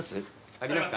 あります。